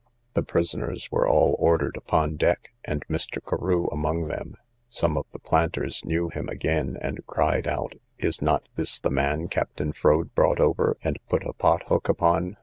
The prisoners were all ordered upon deck, and Mr. Carew among them: some of the planters knew him again, and cried out, "Is not this the man Captain Froade brought over, and put a pot hook upon?"